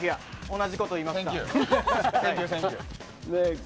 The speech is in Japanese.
同じことを言いました。